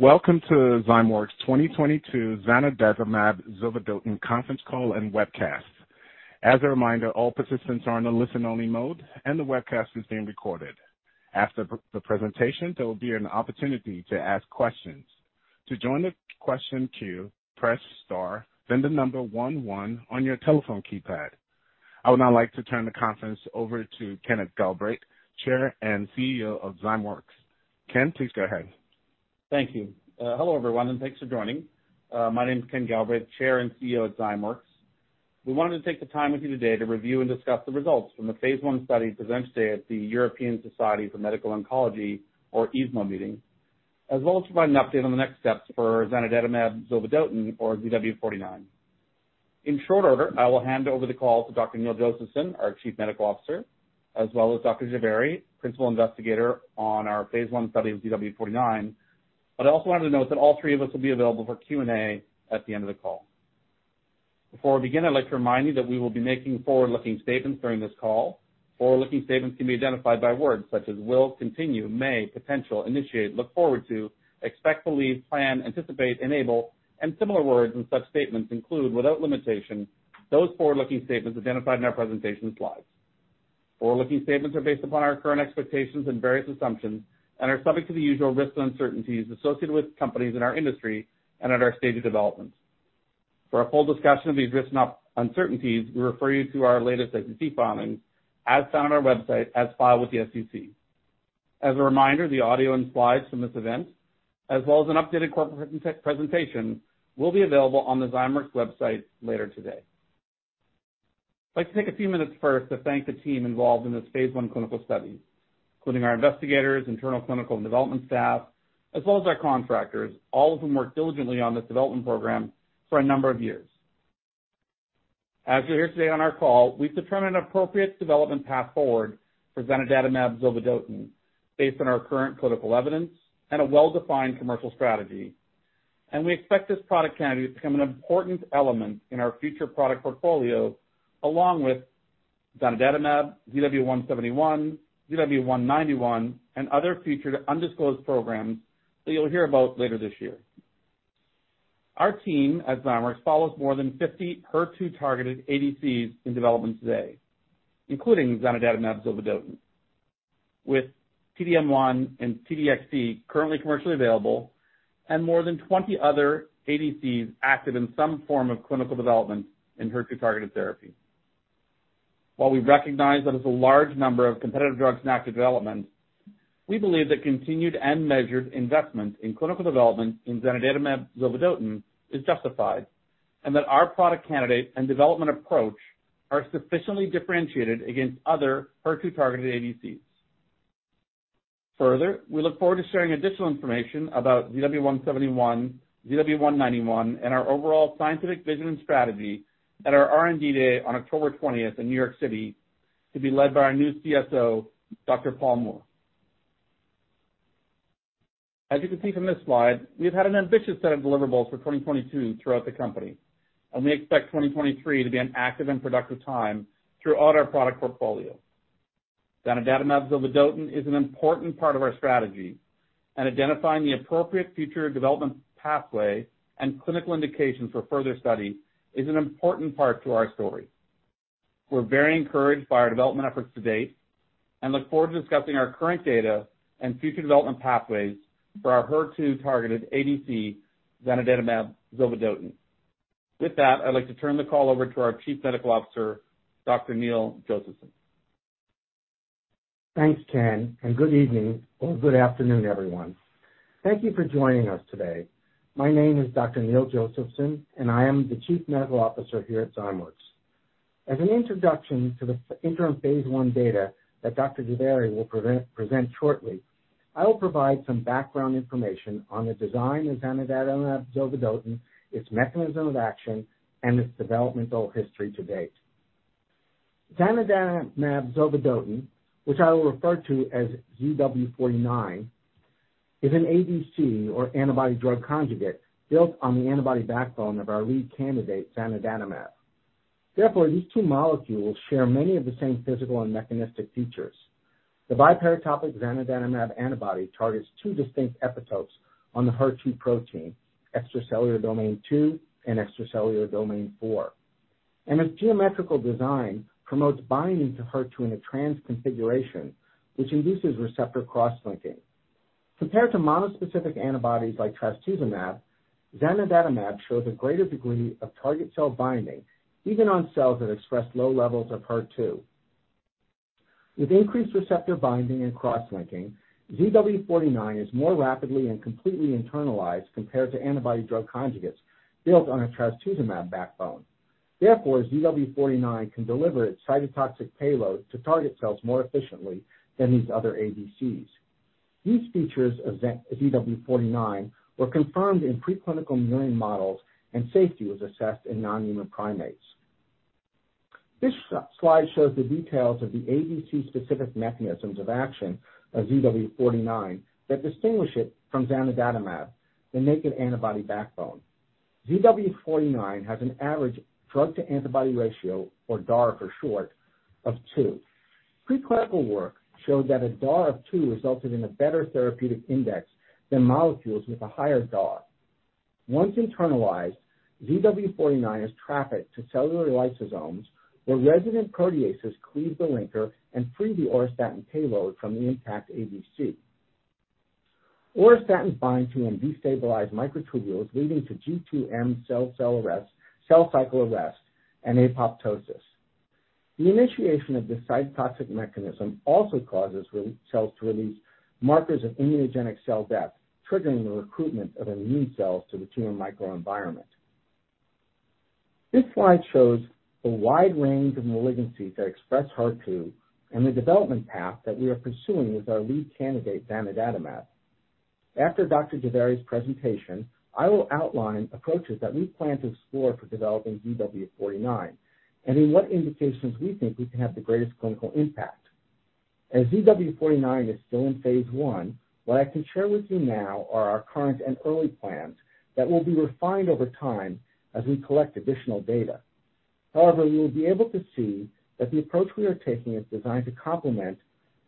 Welcome to Zymeworks's zanidatamab zovodotin conference call and webcast. As a reminder, all participants are in a listen-only mode, and the webcast is being recorded. After the presentation, there will be an opportunity to ask questions. To join the question queue, press star, then the number one on your telephone keypad. I would now like to turn the conference over to Kenneth Galbraith, Chair and CEO of Zymeworks. Ken, please go ahead. Thank you. Hello, everyone, and thanks for joining. My name's Ken Galbraith, Chair and CEO at Zymeworks. We wanted to take the time with you today to review and discuss the results from the phase I study presented today at the European Society for Medical Oncology, or ESMO meeting, as well as provide an update on the next steps zanidatamab zovodotin or ZW49. In short order, I will hand over the call to Dr. Neil Josephson, our Chief Medical Officer, as well as Dr. Jhaveri, Principal Investigator on our phase I study of ZW49. I also wanted to note that all three of us will be available for Q&A at the end of the call. Before we begin, I'd like to remind you that we will be making forward-looking statements during this call. Forward-looking statements can be identified by words such as will, continue, may, potential, initiate, look forward to, expect, believe, plan, anticipate, enable, and similar words in such statements include, without limitation, those forward-looking statements identified in our presentation slides. Forward-looking statements are based upon our current expectations and various assumptions and are subject to the usual risks and uncertainties associated with companies in our industry and at our stage of development. For a full discussion of these risks and uncertainties, we refer you to our latest SEC filings as found on our website as filed with the SEC. As a reminder, the audio and slides from this event, as well as an updated corporate presentation, will be available on the Zymeworks website later today. I'd like to take a few minutes first to thank the team involved in this phase I clinical study, including our investigators, internal clinical and development staff, as well as our contractors, all of whom worked diligently on this development program for a number of years. As you'll hear today on our call, we've determined an appropriate development path forward zanidatamab zovodotin based on our current clinical evidence and a well-defined commercial strategy. We expect this product candidate to become an important element in our future product portfolio, along with zanidatamab, ZW171, ZW191, and other future undisclosed programs that you'll hear about later this year. Our team at Zymeworks follows more than 50 HER2-targeted ADCs in development today, zanidatamab zovodotin, with T-DM1 and T-DXd currently commercially available and more than 20 other ADCs active in some form of clinical development in HER2-targeted therapy. While we recognize that it's a large number of competitive drugs in active development, we believe that continued and measured investment in clinical development zanidatamab zovodotin is justified and that our product candidate and development approach are sufficiently differentiated against other HER2-targeted ADCs. Further, we look forward to sharing additional information about ZW171, ZW191, and our overall scientific vision and strategy at our R&D day on October 20 in New York City to be led by our new CSO, Dr. Paul Moore. As you can see from this slide, we've had an ambitious set of deliverables for 2022 throughout the company, and we expect 2023 to be an active and productive time throughout our product zanidatamab zovodotin is an important part of our strategy, and identifying the appropriate future development pathway and clinical indications for further study is an important part to our story. We're very encouraged by our development efforts to date and look forward to discussing our current data and future development pathways for our HER2-targeted zanidatamab zovodotin. with that, I'd like to turn the call over to our Chief Medical Officer, Dr. Neil Josephson. Thanks, Ken, and good evening or good afternoon, everyone. Thank you for joining us today. My name is Dr. Neil Josephson, and I am the Chief Medical Officer here at Zymeworks. As an introduction to the interim phase I data that Dr. Jhaveri will present shortly, I will provide some background information on the design zanidatamab zovodotin, its mechanism of action, and its developmental history to zanidatamab zovodotin, which I will refer to as ZW49, is an ADC or antibody drug conjugate built on the antibody backbone of our lead candidate, zanidatamab. Therefore, these two molecules share many of the same physical and mechanistic features. The biparatope zanidatamab antibody targets two distinct epitopes on the HER2 protein, extracellular domain 2 and extracellular domain 4. Its geometrical design promotes binding to HER2 in a trans configuration, which induces receptor cross-linking. Compared to monospecific antibodies like trastuzumab, zanidatamab shows a greater degree of target cell binding, even on cells that express low levels of HER2. With increased receptor binding and cross-linking, ZW49 is more rapidly and completely internalized compared to antibody-drug conjugates built on a trastuzumab backbone. Therefore, ZW49 can deliver its cytotoxic payload to target cells more efficiently than these other ADCs. These features of ZW49 were confirmed in preclinical murine models, and safety was assessed in non-human primates. This slide shows the details of the ADC-specific mechanisms of action of ZW49 that distinguish it from zanidatamab, the naked antibody backbone. ZW49 has an average drug-to-antibody ratio or DAR for short, of two. Pre-clinical work showed that a DAR of two resulted in a better therapeutic index than molecules with a higher DAR. Once internalized, ZW49 is trafficked to cellular lysosomes, where resident proteases cleave the linker and free the auristatin payload from the intact ADC. Auristatin binds to and destabilize microtubules, leading to G2M cell cycle arrest, and apoptosis. The initiation of the cytotoxic mechanism also causes cells to release markers of immunogenic cell death, triggering the recruitment of immune cells to the tumor microenvironment. This slide shows the wide range of malignancies that express HER2 and the development path that we are pursuing with our lead candidate, zanidatamab. After Dr. Jhaveri's presentation, I will outline approaches that we plan to explore for developing ZW49 and in what indications we think we can have the greatest clinical impact. As ZW49 is still in phase I, what I can share with you now are our current and early plans that will be refined over time as we collect additional data. However, you will be able to see that the approach we are taking is designed to complement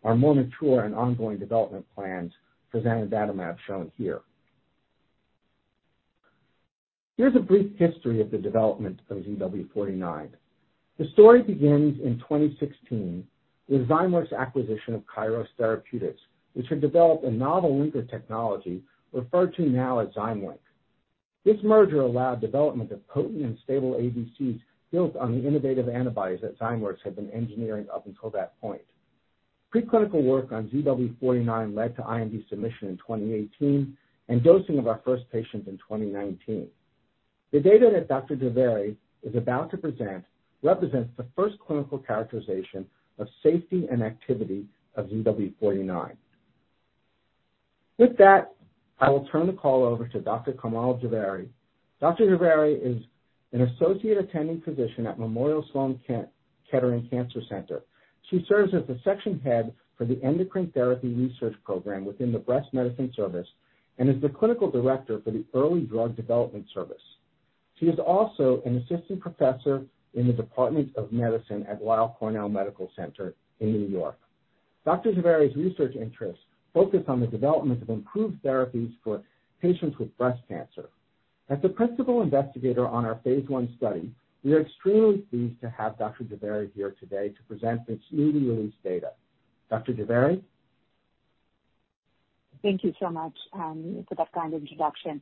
our more mature and ongoing development plans for zanidatamab, shown here. Here's a brief history of the development of ZW49. The story begins in 2016 with Zymeworks acquisition of Kairos Therapeutics, which had developed a novel linker technology referred to now as ZymeLink. This merger allowed development of potent and stable ADCs built on the innovative antibodies that Zymeworks had been engineering up until that point. Preclinical work on ZW49 led to IND submission in 2018 and dosing of our first patient in 2019. The data that Dr. Komal Jhaveri is about to present represents the first clinical characterization of safety and activity of ZW49. With that, I will turn the call over to Dr. Komal Jhaveri. Dr. Komal Jhaveri is an associate attending physician at Memorial Sloan Kettering Cancer Center. She serves as the section head for the Endocrine Therapy Research Program within the Breast Medicine Service and is the Clinical Director for the Early Drug Development Service. She is also an assistant professor in the Department of Medicine at Weill Cornell Medicine in New York. Dr. Jhaveri's research interests focus on the development of improved therapies for patients with breast cancer. As the principal investigator on our phase I study, we are extremely pleased to have Dr. Jhaveri here today to present this newly released data. Dr. Jhaveri? Thank you so much for that kind introduction.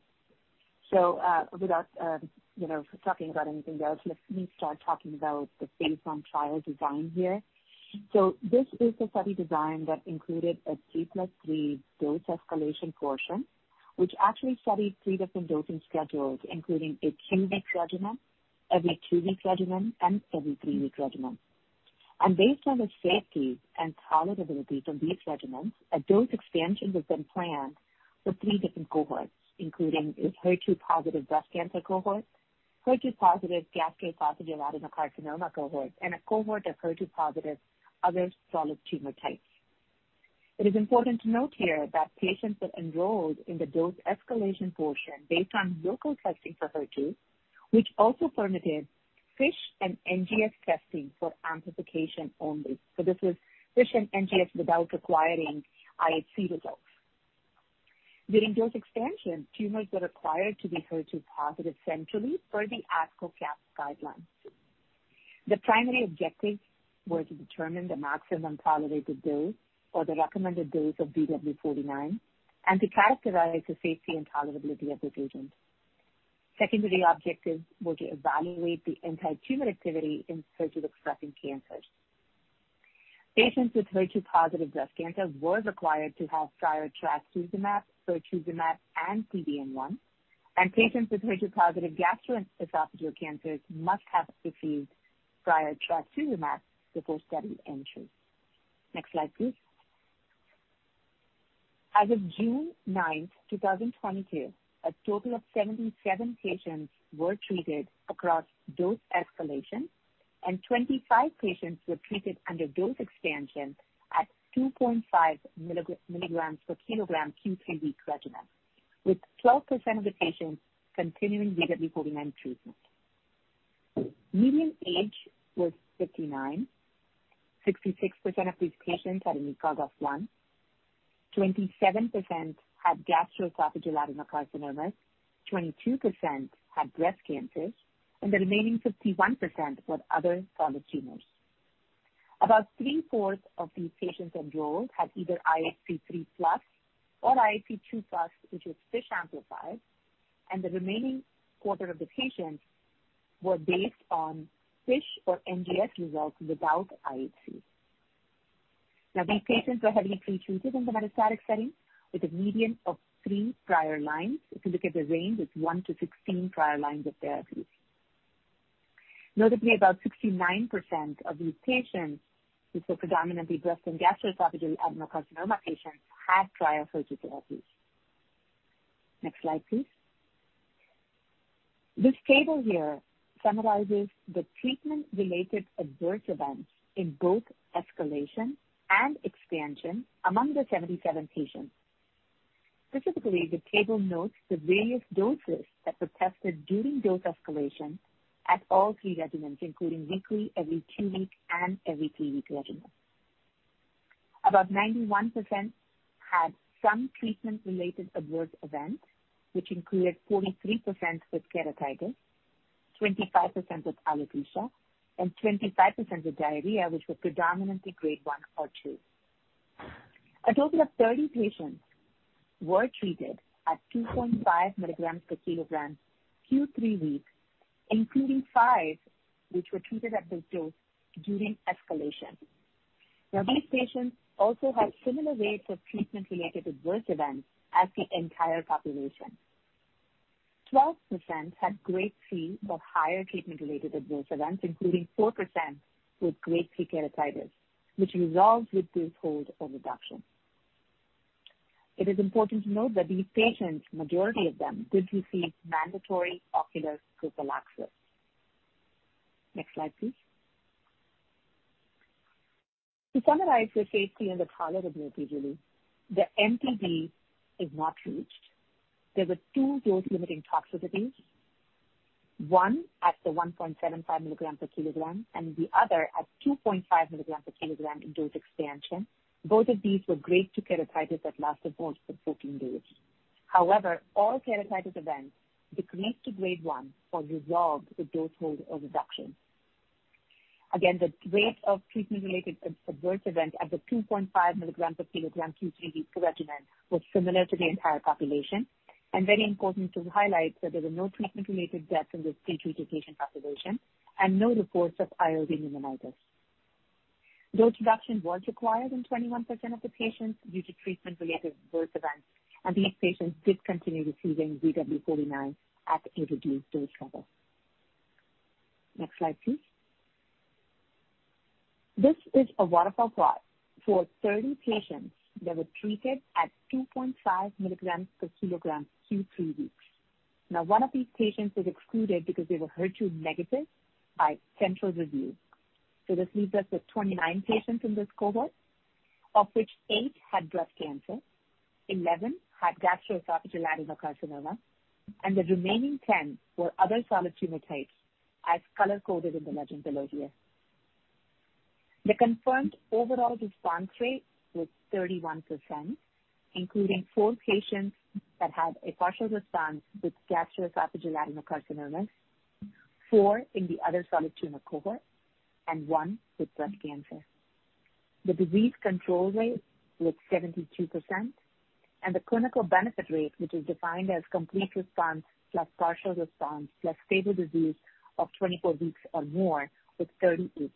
Without talking about anything else, let me start talking about the phase I trial design here. This is the study design that included a 2+3 dose escalation portion, which actually studied three different dosing schedules, including a 2-week regimen, every 2-week regimen, and every 3-week regimen. Based on the safety and tolerability from these regimens, a dose expansion has been planned for three different cohorts, including a HER2-positive breast cancer cohort, HER2-positive gastroesophageal adenocarcinoma cohort, and a cohort of HER2-positive other solid tumor types. It is important to note here that patients were enrolled in the dose escalation portion based on local testing for HER2, which also permitted FISH and NGS testing for amplification only. This is FISH and NGS without requiring IHC results. During dose expansion, tumors were required to be HER2 positive centrally per the ASCO/CAP guidelines. The primary objectives were to determine the maximum tolerated dose or the recommended dose of ZW49 and to characterize the safety and tolerability of this agent. Secondary objectives were to evaluate the anti-tumor activity in HER2-expressing cancers. Patients with HER2-positive breast cancers were required to have prior trastuzumab, pertuzumab, and T-DM1, and patients with HER2-positive gastroesophageal cancers must have received prior trastuzumab before study entry. Next slide, please. As of June 9, 2022, a total of 77 patients were treated across dose escalation, and 25 patients were treated under dose expansion at 2.5 mg per kg Q3W regimen, with 12% of the patients continuing ZW49 treatment. Median age was 59. 66% of these patients had an ECOG of 1. 27% had gastroesophageal adenocarcinomas. 22% had breast cancers, and the remaining 51% were other solid tumors. About three-fourths of these patients enrolled had either IHC 3+ or IHC 2+, which is FISH amplified, and the remaining quarter of the patients were based on FISH or NGS results without IHC. These patients were heavily pretreated in the metastatic setting with a median of 3 prior lines. If you look at the range, it's 1-16 prior lines of therapies. Notably, about 69% of these patients, which were predominantly breast and gastroesophageal adenocarcinoma patients, had prior HER2 therapies. Next slide, please. This table here summarizes the treatment-related adverse events in both escalation and expansion among the 77 patients. Specifically, the table notes the various doses that were tested during dose escalation at all three regimens, including weekly, every two week, and every three week regimen. About 91% had some treatment-related adverse events, which included 43% with keratitis, 25% with alopecia, and 25% with diarrhea, which were predominantly grade 1 or 2. A total of 30 patients were treated at 2.5 mg per kg Q3W, including five which were treated at this dose during escalation. Now these patients also had similar rates of treatment-related adverse events as the entire population. 12% had grade 3 or higher treatment-related adverse events, including 4% with grade 3 keratitis, which resolved with dose hold or reduction. It is important to note that these patients, majority of them, did receive mandatory ocular prophylaxis. Next slide, please. To summarize the safety and the tolerability, Julie, the MTD is not reached. There were two dose-limiting toxicities, one at the 1.75 mg/kg and the other at 2.5 mg/kg in dose expansion. Both of these were grade 2 keratitis that lasted no more than 14 days. However, all keratitis events decreased to grade 1 or resolved with dose hold or reduction. Again, the rate of treatment-related adverse event at the 2.5 mg/kg Q3W regimen was similar to the entire population. Very important to highlight that there were no treatment-related deaths in this pretreated patient population and no reports of ILD/pneumonitis. Dose reduction was required in 21% of the patients due to treatment-related adverse events, and these patients did continue receiving ZW49 at a reduced dose level. Next slide, please. This is a waterfall plot for 30 patients that were treated at 2.5 mg per kg Q3W. Now, one of these patients was excluded because they were HER2 negative by central review. This leaves us with 29 patients in this cohort, of which eight had breast cancer, 11 had gastroesophageal adenocarcinoma, and the remaining 10 were other solid tumor types, as color-coded in the legend below here. The confirmed overall response rate was 31%, including four patients that had a partial response with gastroesophageal adenocarcinomas, four in the other solid tumor cohort, and one with breast cancer. The disease control rate was 72%, and the clinical benefit rate, which is defined as complete response plus partial response plus stable disease of 24 weeks or more, was 38%.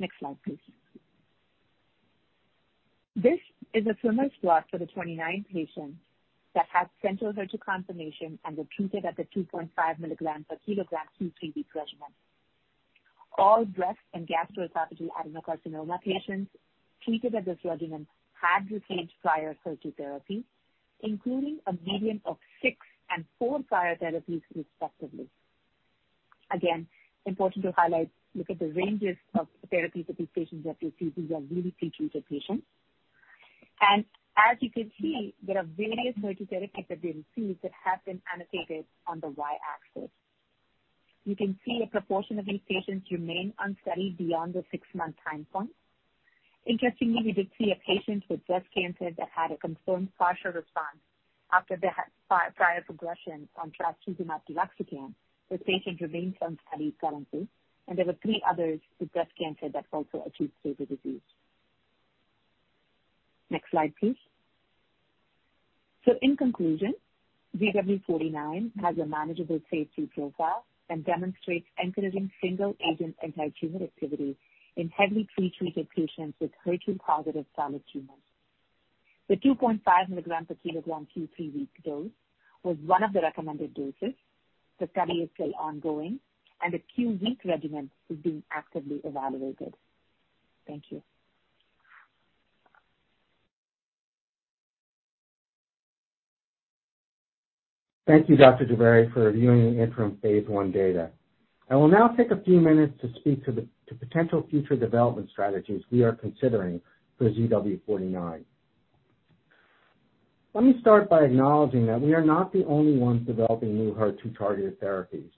Next slide, please. This is a swimmer's plot for the 29 patients that had central HER2 confirmation and were treated at the 2.5 mg per kg Q3W regimen. All breast and gastroesophageal adenocarcinoma patients treated at this regimen had received prior HER2 therapy, including a median of six and four prior therapies, respectively. Again, important to highlight, look at the ranges of therapies that these patients have received. These are really pre-treated patients. As you can see, there are various HER2 therapies that they received that have been annotated on the Y-axis. You can see a proportion of these patients remain on study beyond the 6-month time point. Interestingly, we did see a patient with breast cancer that had a confirmed partial response after they had prior progression on trastuzumab deruxtecan. The patient remains on study currently, and there were three others with breast cancer that also achieved stable disease. Next slide, please. In conclusion, ZW49 has a manageable safety profile and demonstrates encouraging single-agent anti-tumor activity in heavily pre-treated patients with HER2-positive solid tumors. The 2.5 mg per kg Q3W dose was one of the recommended doses. The study is still ongoing, and a QW regimen is being actively evaluated. Thank you. Thank you, Dr. Jhaveri, for reviewing the interim phase I data. I will now take a few minutes to speak to potential future development strategies we are considering for ZW49. Let me start by acknowledging that we are not the only ones developing new HER2-targeted therapies.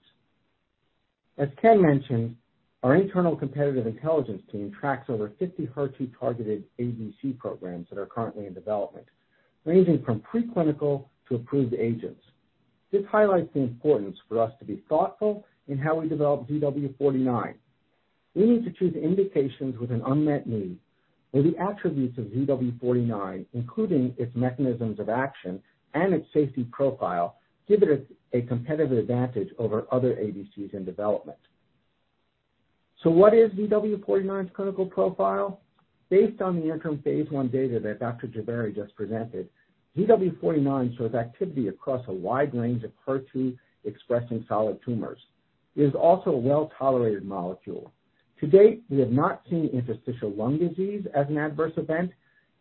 As Ken mentioned, our internal competitive intelligence team tracks over 50 HER2-targeted ADC programs that are currently in development, ranging from pre-clinical to approved agents. This highlights the importance for us to be thoughtful in how we develop ZW49. We need to choose indications with an unmet need, where the attributes of ZW49, including its mechanisms of action and its safety profile, give it a competitive advantage over other ADCs in development. What is ZW49's clinical profile? Based on the interim phase I data that Dr. Jhaveri just presented, ZW49 shows activity across a wide range of HER2-expressing solid tumors. It is also a well-tolerated molecule. To date, we have not seen interstitial lung disease as an adverse event,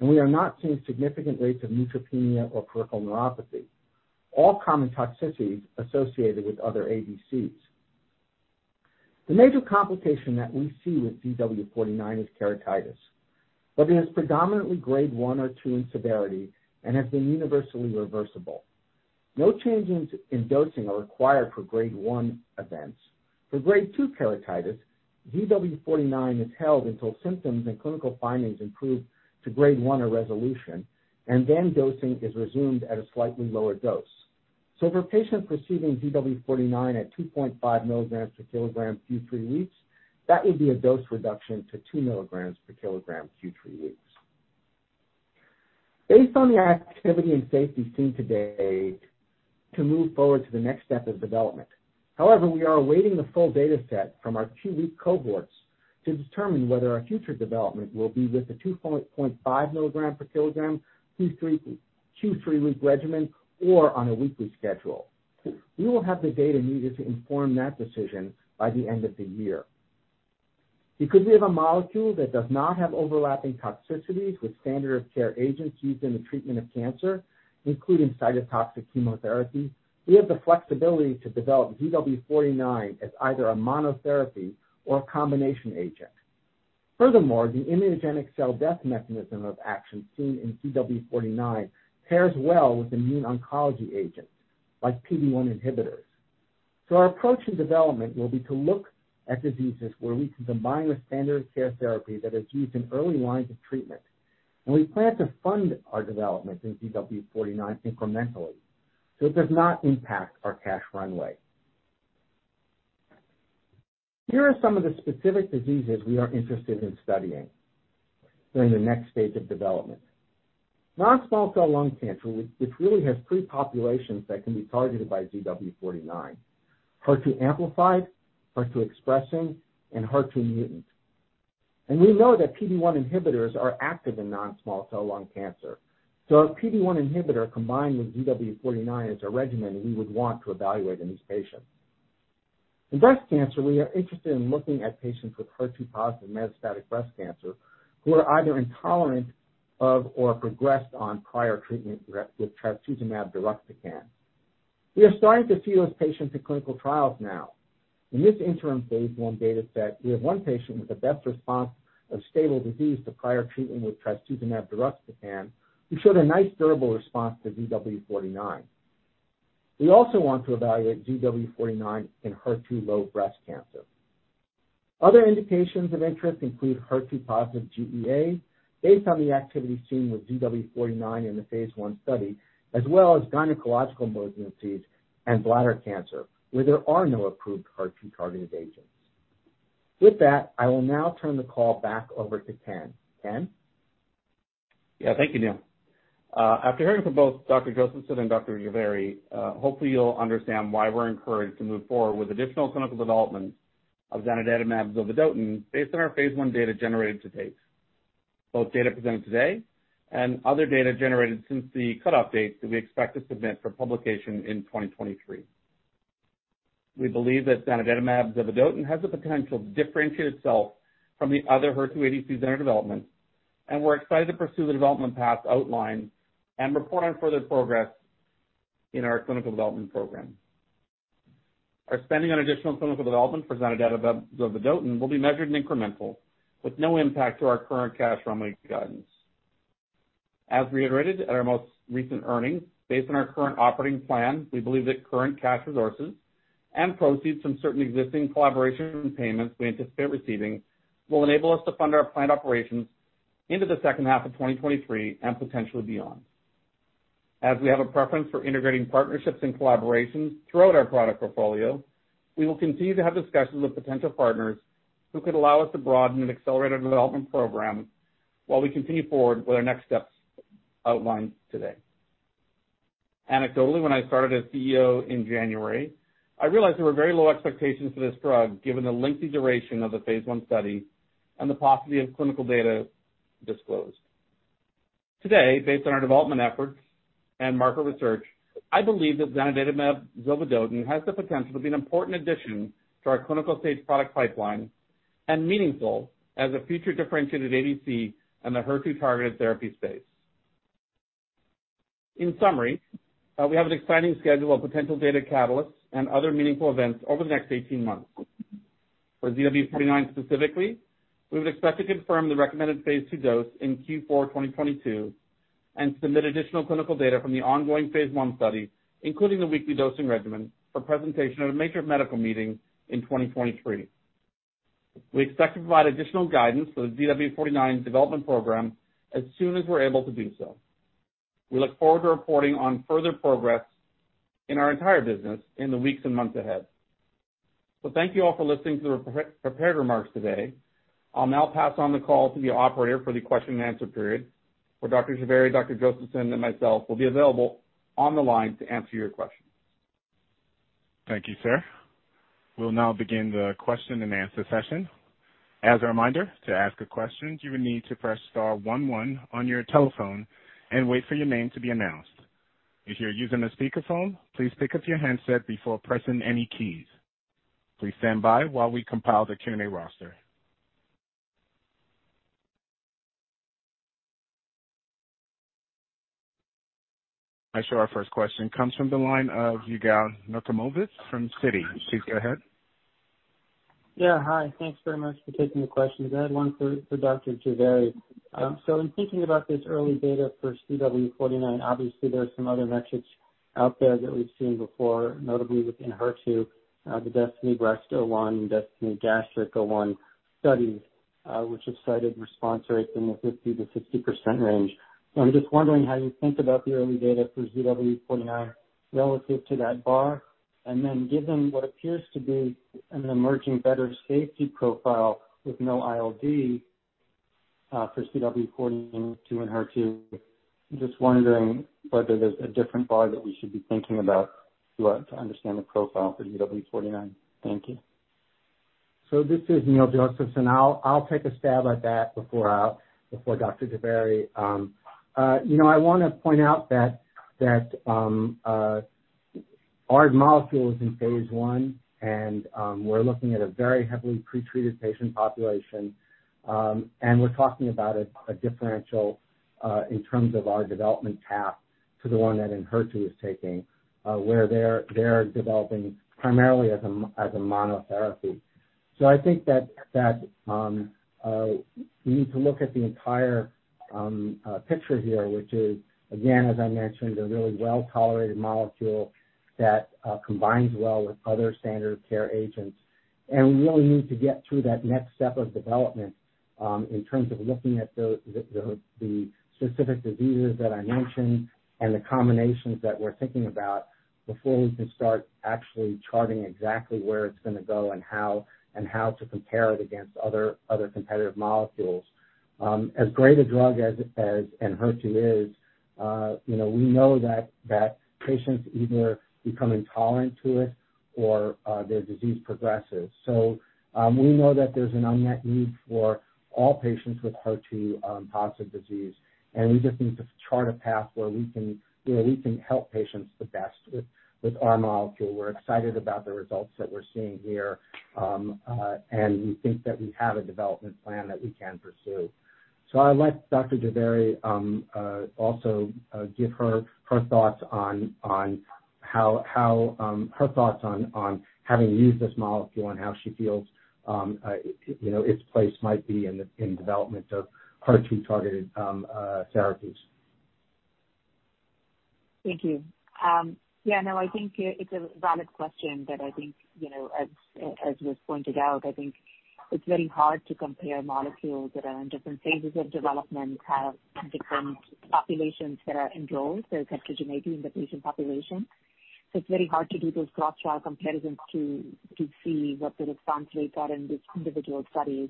and we are not seeing significant rates of neutropenia or peripheral neuropathy, all common toxicities associated with other ADCs. The major complication that we see with ZW49 is keratitis, but it is predominantly grade 1 or 2 in severity and has been universally reversible. No changes in dosing are required for grade 1 events. For grade 2 keratitis, ZW49 is held until symptoms and clinical findings improve to grade 1 or resolution, and then dosing is resumed at a slightly lower dose. For patients receiving ZW49 at 2.5 mg per kg Q 3 weeks, that would be a dose reduction to 2 mg per kg Q 3 weeks. Based on the activity and safety seen today to move forward to the next step of development. However, we are awaiting the full data set from our two-week cohorts to determine whether our future development will be with the 2.5 mg per kg Q3W regimen or on a weekly schedule. We will have the data needed to inform that decision by the end of the year. Because we have a molecule that does not have overlapping toxicities with standard of care agents used in the treatment of cancer, including cytotoxic chemotherapy, we have the flexibility to develop ZW49 as either a monotherapy or a combination agent. Furthermore, the immunogenic cell death mechanism of action seen in ZW49 pairs well with immune oncology agents like PD-1 inhibitors. Our approach and development will be to look at diseases where we can combine with standard of care therapy that is used in early lines of treatment, and we plan to fund our development in ZW49 incrementally, so it does not impact our cash runway. Here are some of the specific diseases we are interested in studying during the next stage of development. Non-small cell lung cancer, which really has three populations that can be targeted by ZW49, HER2 amplified, HER2 expressing, and HER2 mutant. We know that PD-1 inhibitors are active in non-small cell lung cancer. A PD-1 inhibitor combined with ZW49 is a regimen we would want to evaluate in these patients. In breast cancer, we are interested in looking at patients with HER2 positive metastatic breast cancer who are either intolerant of or progressed on prior treatment with trastuzumab deruxtecan. We are starting to see those patients in clinical trials now. In this interim phase I data set, we have 1 patient with the best response of stable disease to prior treatment with trastuzumab deruxtecan, who showed a nice durable response to ZW49. We also want to evaluate ZW49 in HER2-low breast cancer. Other indications of interest include HER2-positive GEA based on the activity seen with ZW49 in the phase I study, as well as gynecological malignancies and bladder cancer, where there are no approved HER2-targeted agents. With that, I will now turn the call back over to Ken. Ken? Yeah. Thank you, Neil. After hearing from both Dr. Josephson and Dr. Jhaveri, hopefully you'll understand why we're encouraged to move forward with additional clinical development zanidatamab zovodotin based on our phase I data generated to date. Both data presented today and other data generated since the cutoff date that we expect to submit for publication in 2023. We believe zanidatamab zovodotin has the potential to differentiate itself from the other HER2 ADCs in our development, and we're excited to pursue the development path outlined and report on further progress in our clinical development program. Our spending on additional clinical development zanidatamab zovodotin will be measured and incremental, with no impact to our current cash runway guidance. As reiterated at our most recent earnings, based on our current operating plan, we believe that current cash resources and proceeds from certain existing collaboration payments we anticipate receiving will enable us to fund our planned operations into the second half of 2023 and potentially beyond. As we have a preference for integrating partnerships and collaborations throughout our product portfolio, we will continue to have discussions with potential partners who could allow us to broaden an accelerated development program while we continue forward with our next steps outlined today. Anecdotally, when I started as CEO in January, I realized there were very low expectations for this drug, given the lengthy duration of the phase I study and the paucity of clinical data disclosed. Today, based on our development efforts and market research, I believe zanidatamab zovodotin has the potential to be an important addition to our clinical-stage product pipeline and meaningful as a future differentiated ADC in the HER2-targeted therapy space. In summary, we have an exciting schedule of potential data catalysts and other meaningful events over the next 18 months. For ZW49 specifically, we would expect to confirm the recommended phase II dose in Q4 2022 and submit additional clinical data from the ongoing phase I study, including the weekly dosing regimen, for presentation at a major medical meeting in 2023. We expect to provide additional guidance for the ZW49 development program as soon as we're able to do so. We look forward to reporting on further progress in our entire business in the weeks and months ahead. Thank you all for listening to the prepared remarks today. I'll now pass on the call to the operator for the question and answer period, where Dr. Jhaveri, Dr. Josephson, and myself will be available on the line to answer your questions. Thank you, sir. We'll now begin the question and answer session. As a reminder, to ask a question, you will need to press star one one on your telephone and wait for your name to be announced. If you're using a speakerphone, please pick up your handset before pressing any keys. Please stand by while we compile the Q&A roster. Aisha, our first question comes from the line of Yigal Nochomovitz from Citi. Please go ahead. Yeah, hi. Thanks very much for taking the question. I had one for Dr. Jhaveri. In thinking about this early data for ZW49, obviously there are some other metrics out there that we've seen before, notably within HER2, the DESTINY-Breast01, DESTINY-Gastric01 studies, which have cited response rates in the 50%-60% range. I'm just wondering how you think about the early data for ZW49 relative to that bar. Given what appears to be an emerging better safety profile with no ILD for ZW49 to Enhertu, just wondering whether there's a different bar that we should be thinking about to understand the profile for ZW49. Thank you. This is Neil Josephson. I'll take a stab at that before Dr. Jhaveri. You know, I wanna point out that our molecule is in phase I and we're looking at a very heavily pretreated patient population. We're talking about a differential in terms of our development path to the one that Enhertu is taking, where they're developing primarily as a monotherapy. I think that you need to look at the entire picture here, which is again, as I mentioned, a really well-tolerated molecule that combines well with other standard care agents. We really need to get through that next step of development, in terms of looking at the specific diseases that I mentioned and the combinations that we're thinking about before we can start actually charting exactly where it's gonna go and how to compare it against other competitive molecules. As great a drug as Enhertu is, you know, we know that patients either become intolerant to it or their disease progresses. We know that there's an unmet need for all patients with HER2 positive disease, and we just need to chart a path where we can, you know, we can help patients the best with our molecule. We're excited about the results that we're seeing here. We think that we have a development plan that we can pursue. I'll let Dr. Jhaveri also give her thoughts on having used this molecule and how she feels, you know, its place might be in the development of HER2-targeted therapies. Thank you. Yeah, no, I think it's a valid question that I think, you know, as was pointed out, I think it's very hard to compare molecules that are in different phases of development, have different populations that are enrolled. There's heterogeneity in the patient population, so it's very hard to do those cross-trial comparisons to see what the response rates are in these individual studies.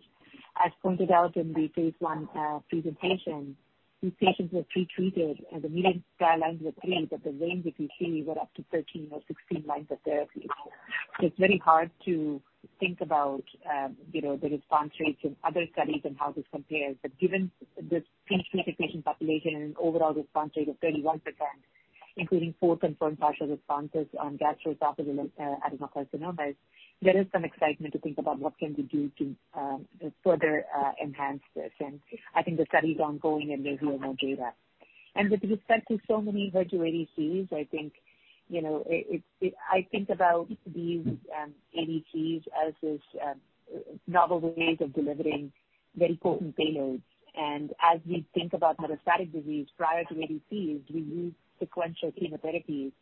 As pointed out in the phase I presentation, these patients were pretreated and the median lines were three, but the range, if you see, were up to 13 or 16 lines of therapy. So it's very hard to think about, you know, the response rates in other studies and how this compares. Given this pretreated patient population and an overall response rate of 31%, including four confirmed partial responses on gastroesophageal adenocarcinomas, there is some excitement to think about what can we do to further enhance this. I think the study's ongoing and there's more data. With respect to so many HER2 ADCs, I think about these ADCs as this novel ways of delivering very potent payloads. As we think about metastatic disease prior to ADCs, we use sequential chemotherapies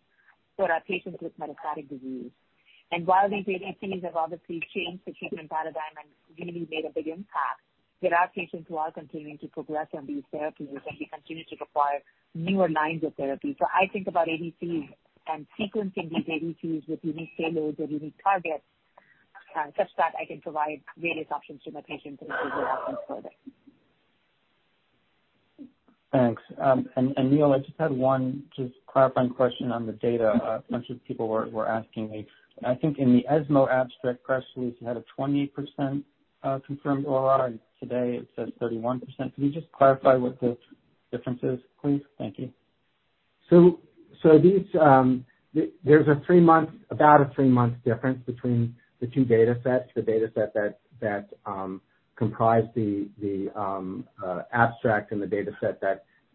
for our patients with metastatic disease. While these ADCs have obviously changed the treatment paradigm and really made a big impact, there are patients who are continuing to progress on these therapies, and we continue to require newer lines of therapy. I think about ADCs and sequencing these ADCs with unique payloads or unique targets, such that I can provide various options to my patients and improve their outcomes further. Thanks. And Neil, I just had one just clarifying question on the data a bunch of people were asking me. I think in the ESMO abstract press release, you had a 20% confirmed OR and today it says 31%. Can you just clarify what the difference is, please? Thank you. There's about a three-month difference between the two datasets, the dataset that comprised the abstract and the dataset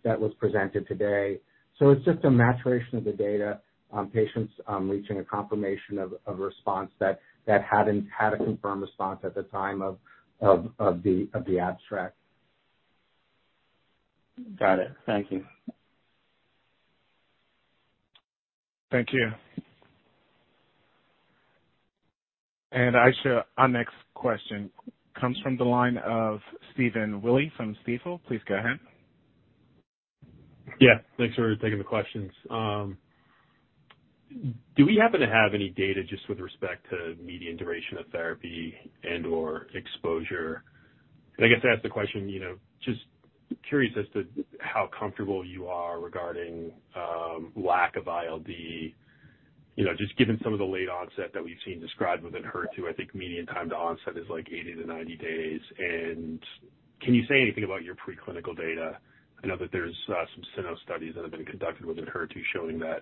that was presented today. It's just a maturation of the data on patients reaching a confirmation of response that hadn't had a confirmed response at the time of the abstract. Got it. Thank you. Thank you. Aisha, our next question comes from the line of Stephen Willey from Stifel. Please go ahead. Yeah, thanks for taking the questions. Do we happen to have any data just with respect to median duration of therapy and/or exposure? I guess to ask the question, you know, just curious as to how comfortable you are regarding lack of ILD. You know, just given some of the late onset that we've seen described within HER2, I think median time to onset is like 80-90 days. Can you say anything about your preclinical data? I know that there's some cyno studies that have been conducted within HER2 showing that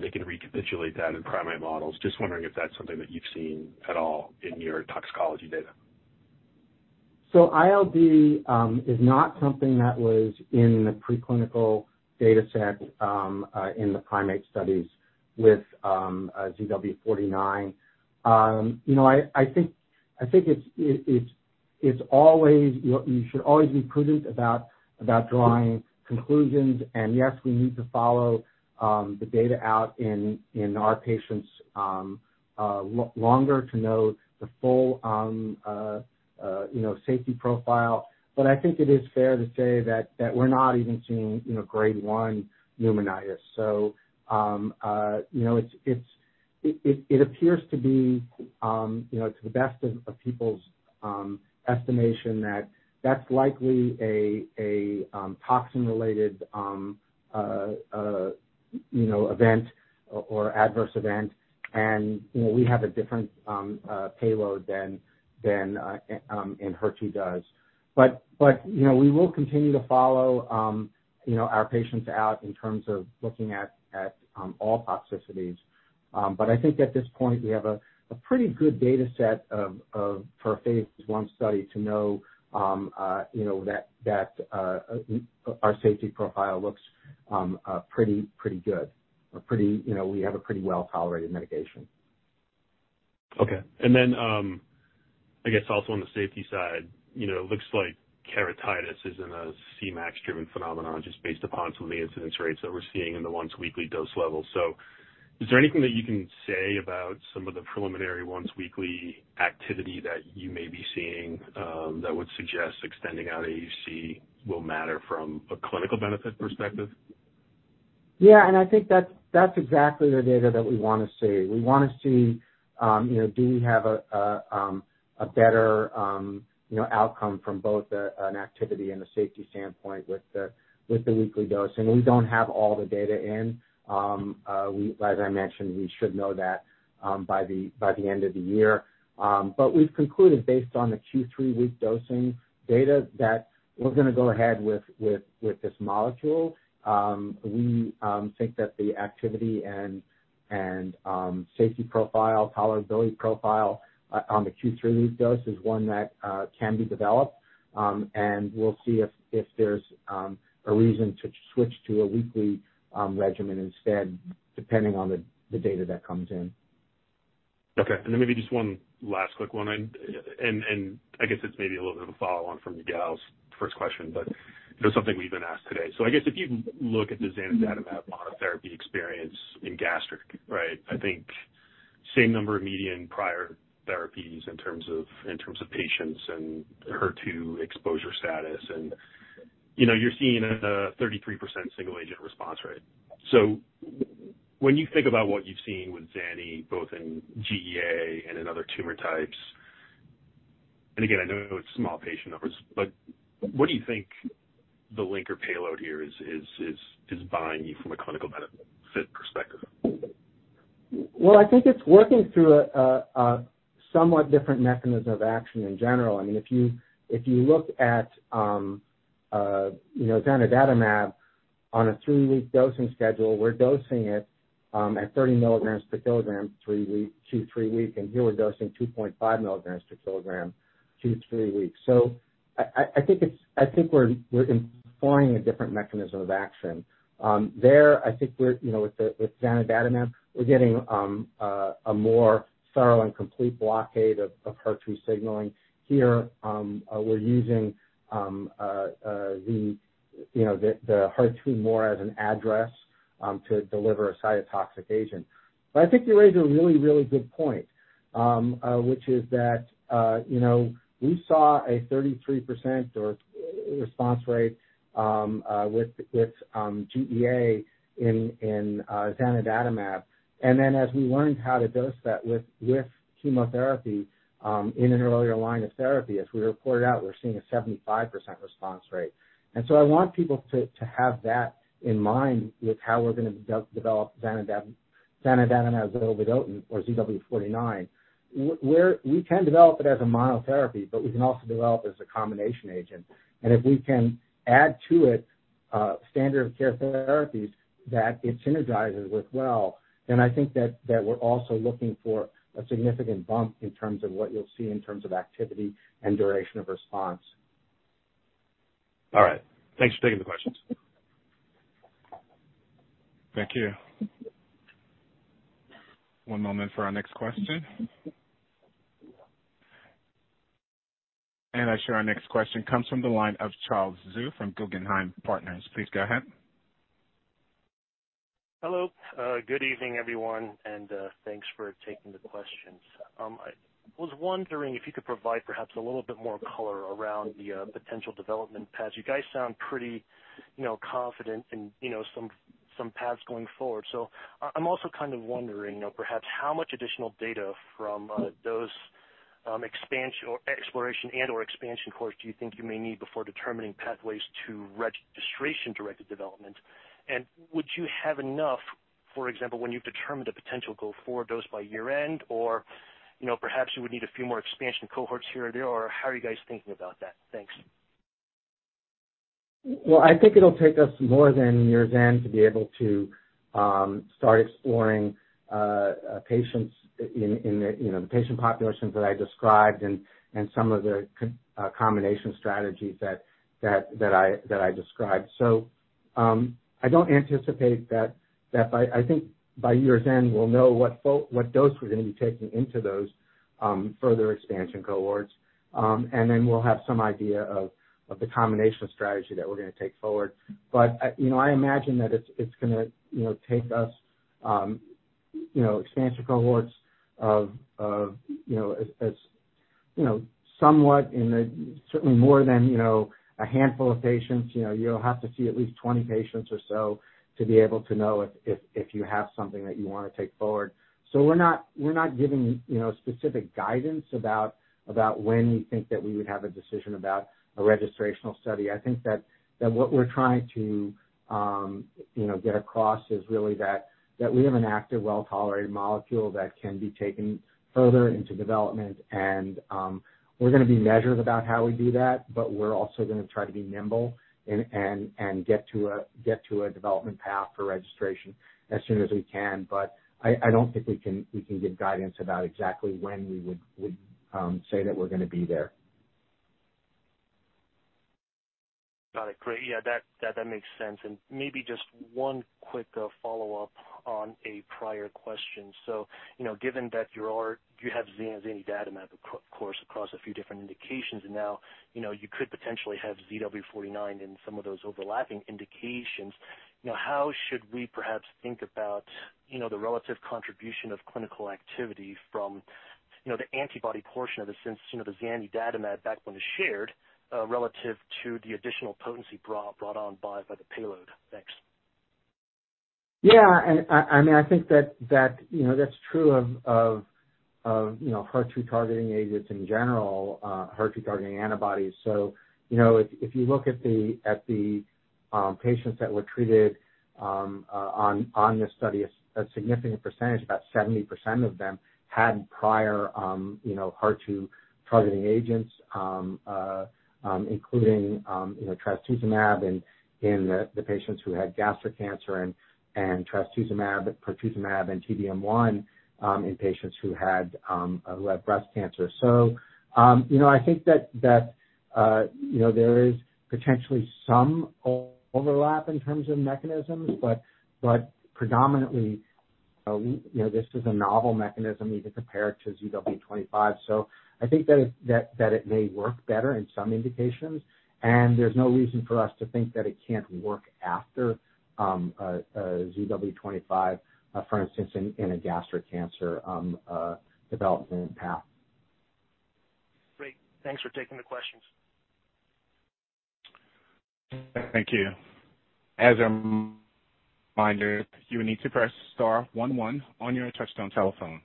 they can recapitulate that in primate models. Just wondering if that's something that you've seen at all in your toxicology data. ILD is not something that was in the preclinical data set in the primate studies with ZW49. You know, I think it's always you should always be prudent about drawing conclusions. Yes, we need to follow the data out in our patients longer to know the full you know, safety profile. I think it is fair to say that we're not even seeing you know, grade one pneumonitis. You know, it appears to be you know, to the best of people's estimation that that's likely a toxin-related you know, event or adverse event. You know, we have a different payload than Enhertu does. You know, we will continue to follow our patients out in terms of looking at all toxicities. I think at this point we have a pretty good data set for a phase I study to know that our safety profile looks pretty good or pretty, you know, we have a pretty well-tolerated medication. I guess also on the safety side, you know, it looks like keratitis isn't a Cmax-driven phenomenon just based upon some of the incidence rates that we're seeing in the once weekly dose level. Is there anything that you can say about some of the preliminary once weekly activity that you may be seeing, that would suggest extending out AUC will matter from a clinical benefit perspective? Yeah, I think that's exactly the data that we wanna see. We wanna see, you know, do we have a better, you know, outcome from both an activity and a safety standpoint with the weekly dose. We don't have all the data in. As I mentioned, we should know that by the end of the year. But we've concluded based on the Q3W dosing data that we're gonna go ahead with this molecule. We think that the activity and safety profile, tolerability profile on the Q3W dose is one that can be developed. We'll see if there's a reason to switch to a weekly regimen instead, depending on the data that comes in. Okay. Then maybe just one last quick one. I guess it's maybe a little bit of a follow on from Yigal's first question, but it was something we've been asked today. I guess if you look at the zanidatamab monotherapy experience in gastric, right? I think same number of median prior therapies in terms of patients and HER2 exposure status. You know, you're seeing a 33% single agent response rate. When you think about what you've seen with zanidatamab, both in GEA and in other tumor types, and again, I know it's small patient numbers, but what do you think the linker payload here is buying you from a clinical benefit perspective? Well, I think it's working through a somewhat different mechanism of action in general. I mean, if you look at zanidatamab on a three-week dosing schedule, we're dosing it at 30 mg per kg, and here we're dosing 2.5 mg per kg two to three weeks. I think we're employing a different mechanism of action. I think we're, you know, with zanidatamab, we're getting a more thorough and complete blockade of HER2 signaling. Here, we're using the HER2 more as an address to deliver a cytotoxic agent. I think you raised a really, really good point, which is that, you know, we saw a 33% ORR with GEA in zanidatamab. Then as we learned how to dose that with chemotherapy in an earlier line of therapy, as we reported out, we're seeing a 75% response rate. I want people to have that in mind with how we're gonna develop zanidatamab zovodotin or ZW49. We can develop it as a monotherapy, but we can also develop as a combination agent. If we can add to it standard of care therapies that it synergizes with well, then I think that we're also looking for a significant bump in terms of what you'll see in terms of activity and duration of response. All right. Thanks for taking the questions. Thank you. One moment for our next question. I show our next question comes from the line of Charles Zhu from Guggenheim Partners. Please go ahead. Hello. Good evening, everyone, and thanks for taking the questions. I was wondering if you could provide perhaps a little bit more color around the potential development paths. You guys sound pretty, you know, confident in, you know, some paths going forward. I'm also kind of wondering, you know, perhaps how much additional data from those expansion or exploration and/or expansion cohorts do you think you may need before determining pathways to registration-directed development? And would you have enough, for example, when you've determined a potential go forward dose by year-end? Or, you know, perhaps you would need a few more expansion cohorts here or there, or how are you guys thinking about that? Thanks. Well, I think it'll take us more than year's end to be able to start exploring patients in the you know the patient populations that I described and some of the combination strategies that I described. I don't anticipate that. I think by year's end, we'll know what dose we're gonna be taking into those further expansion cohorts. Then we'll have some idea of the combination strategy that we're gonna take forward. I imagine that it's gonna you know take us you know expansion cohorts of you know as you know certainly more than you know a handful of patients. You know, you'll have to see at least 20 patients or so to be able to know if you have something that you wanna take forward. We're not giving, you know, specific guidance about when we think that we would have a decision about a registrational study. I think that what we're trying to, you know, get across is really that we have an active, well-tolerated molecule that can be taken further into development. We're gonna be measured about how we do that, but we're also gonna try to be nimble and get to a development path for registration as soon as we can. I don't think we can give guidance about exactly when we would say that we're gonna be there. Got it. Great. Yeah, that makes sense. Maybe just one quick follow-up on a prior question. So, you know, given that you have zanidatamab across a few different indications, and now, you know, you could potentially have ZW49 in some of those overlapping indications. You know, how should we perhaps think about, you know, the relative contribution of clinical activity from, you know, the antibody portion of it, since, you know, the zanidatamab backbone is shared, relative to the additional potency brought on by the payload? Thanks. I mean, I think that, you know, that's true of, you know, HER2 targeting agents in general, HER2 targeting antibodies. You know, if you look at the, at the patients that were treated, on this study, a significant percentage, about 70% of them, had prior, you know, HER2 targeting agents, including, you know, trastuzumab in the patients who had gastric cancer and trastuzumab, pertuzumab and T-DM1, in patients who had breast cancer. You know, I think that, you know, there is potentially some overlap in terms of mechanisms, but predominantly, you know, this is a novel mechanism even compared to ZW25. I think that it may work better in some indications. There's no reason for us to think that it can't work after a ZW25, for instance, in a gastric cancer development path. Great. Thanks for taking the questions. Thank you. As a reminder, you will need to press star one one on your touchtone telephone.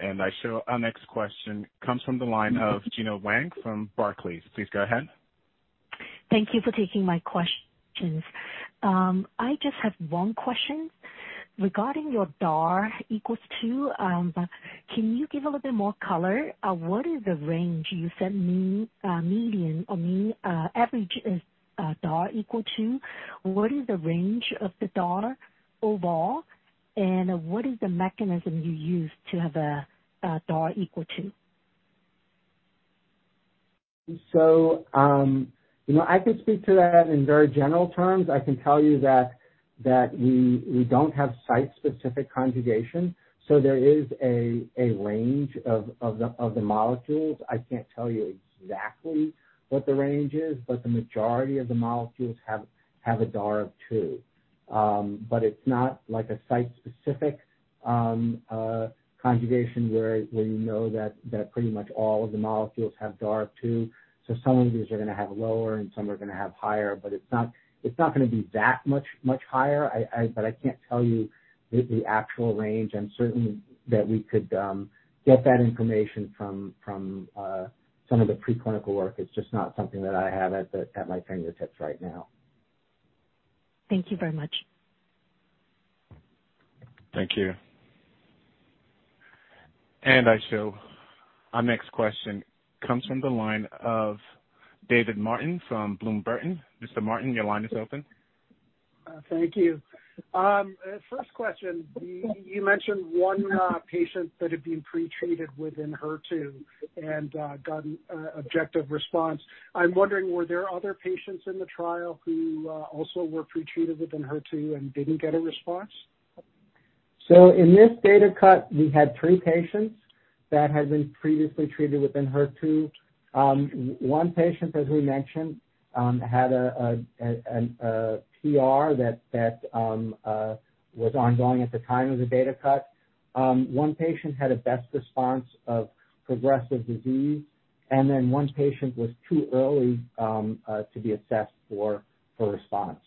I show our next question comes from the line of Gena Wang from Barclays. Please go ahead. Thank you for taking my questions. I just have one question. Regarding your DAR equals two, can you give a little bit more color? What is the range you said median or average is, DAR equal to? What is the range of the DAR overall? What is the mechanism you use to have a DAR equal to? You know, I could speak to that in very general terms. I can tell you that we don't have site-specific conjugation, so there is a range of the molecules. I can't tell you exactly what the range is, but the majority of the molecules have a DAR of two. But it's not like a site-specific conjugation where you know that pretty much all of the molecules have DAR of two. Some of these are gonna have lower and some are gonna have higher, but it's not gonna be that much higher. I But I can't tell you the actual range. I'm certain that we could get that information from some of the preclinical work. It's just not something that I have at my fingertips right now. Thank you very much. Thank you. Our next question comes from the line of David Martin from Bloom Burton. Mr. Martin, your line is open. Thank you. First question, you mentioned one patient that had been pretreated with Enhertu and got an objective response. I'm wondering, were there other patients in the trial who also were pretreated with Enhertu and didn't get a response? In this data cut, we had three patients that had been previously treated with Enhertu. One patient, as we mentioned, had a PR that was ongoing at the time of the data cut. One patient had a best response of progressive disease, and then one patient was too early to be assessed for response.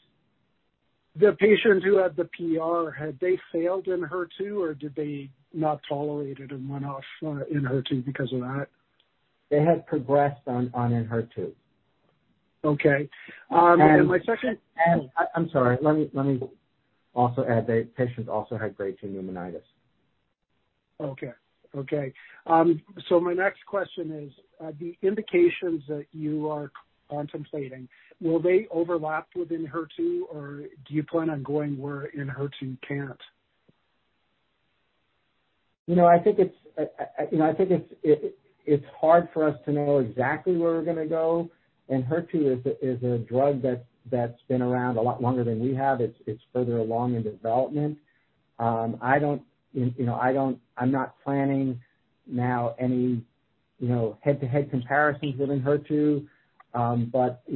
The patients who had the PR, had they failed Enhertu, or did they not tolerate it and went off Enhertu because of that? They had progressed on Enhertu. Okay. And- My second- I'm sorry. Let me also add, the patients also had grade 2 pneumonitis. Okay. My next question is, the indications that you are contemplating, will they overlap within HER2, or do you plan on going where an HER2 can't? You know, I think it's hard for us to know exactly where we're gonna go, and HER2 is a drug that's been around a lot longer than we have. It's further along in development. You know, I'm not planning now any head-to-head comparisons within HER2. You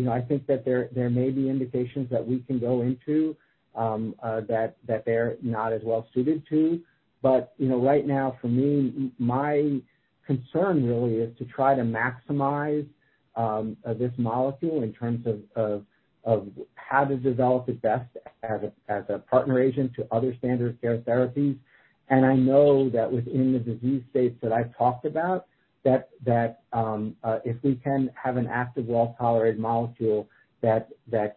know, I think that there may be indications that we can go into that they're not as well suited to. You know, right now, for me, my concern really is to try to maximize this molecule in terms of how to develop it best as a partner agent to other standard care therapies. I know that within the disease states that I've talked about, that if we can have an active, well-tolerated molecule that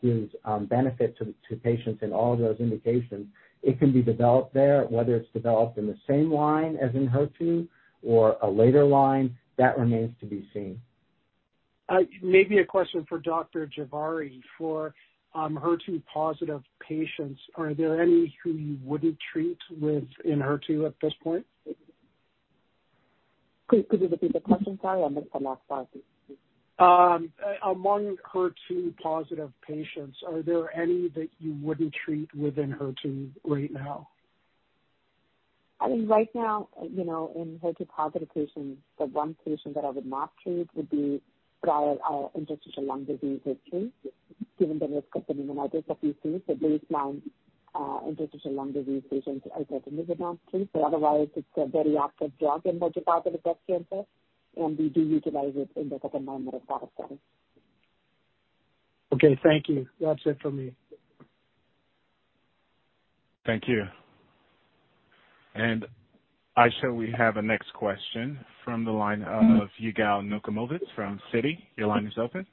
gives benefit to patients in all of those indications, it can be developed there. Whether it's developed in the same line as in HER2 or a later line, that remains to be seen. Maybe a question for Dr. Jhaveri. For HER2-positive patients, are there any who you wouldn't treat with Enhertu at this point? Could you repeat the question, sorry? I missed the last part. Among HER2 positive patients, are there any that you wouldn't treat within HER2 right now? I mean, right now, you know, in HER2-positive patients, the one patient that I would not treat would be prior interstitial lung disease with treat, given the risk of pneumonia that we see. Baseline interstitial lung disease patients I certainly would not treat. Otherwise, it's a very active drug in HER2-positive breast cancer, and we do utilize it in the supplemental biomarker setting. Okay. Thank you. That's it for me. Thank you. Shall we have the next question from the line of Yigal Nochomovitz from Citi. Your line is open.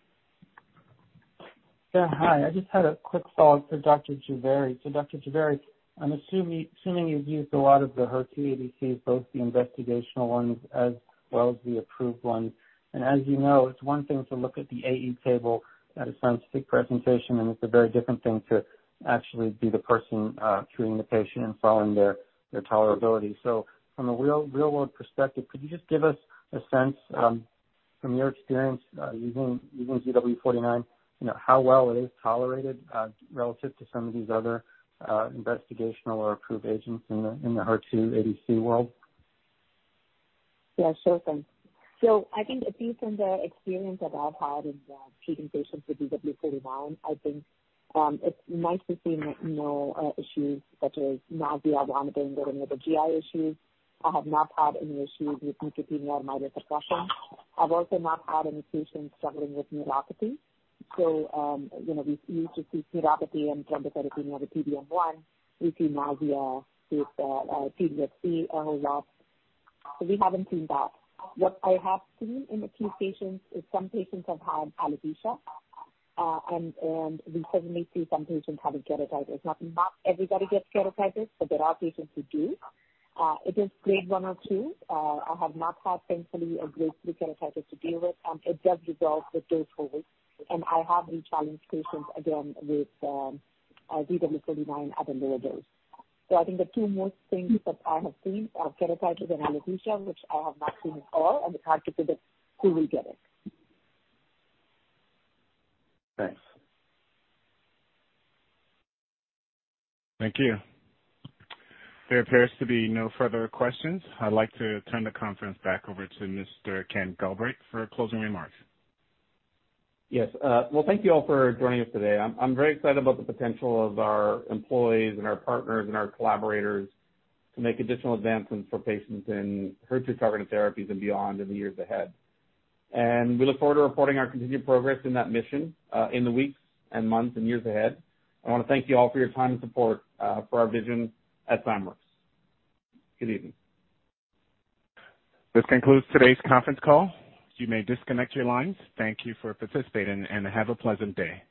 Yeah. Hi. I just had a quick follow-up for Dr. Jhaveri. Dr. Jhaveri, I'm assuming you've used a lot of the HER2 ADCs, both the investigational ones as well as the approved ones. As you know, it's one thing to look at the AE table at a scientific presentation, and it's a very different thing to actually be the person treating the patient and following their tolerability. From a real-world perspective, could you just give us a sense from your experience using ZW49, you know, how well it is tolerated relative to some of these other investigational or approved agents in the HER2 ADC world? Yeah, sure thing. I think at least from the experience that I've had in treating patients with ZW49, I think it's nice to see no issues such as nausea, vomiting or any other GI issues. I have not had any issues with neutropenia or mild suppression. I've also not had any patients struggling with neuropathy. You know, we used to see neuropathy and thrombocytopenia with T-DM1. We see nausea with T-DXd a whole lot, so we haven't seen that. What I have seen in a few patients is some patients have had alopecia. We certainly see some patients have keratitis. Not everybody gets keratitis, but there are patients who do. It is grade one or two. I have not had, thankfully, a grade three keratitis to deal with. It does resolve with dose hold, and I have rechallenged patients again with ZW49 at a lower dose. I think the two most things that I have seen are keratitis and alopecia, which I have not seen at all, and it's hard to predict who will get it. Thanks. Thank you. There appears to be no further questions. I'd like to turn the conference back over to Mr. Ken Galbraith for closing remarks. Yes. Well, thank you all for joining us today. I'm very excited about the potential of our employees and our partners and our collaborators to make additional advancements for patients in HER2-targeted therapies and beyond in the years ahead. We look forward to reporting our continued progress in that mission, in the weeks and months and years ahead. I wanna thank you all for your time and support, for our vision at Zymeworks. Good evening. This concludes today's conference call. You may disconnect your lines. Thank you for participating, and have a pleasant day.